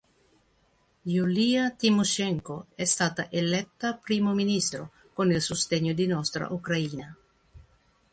Julija Tymošenko è stata eletta primo ministro con il sostegno di Nostra Ucraina.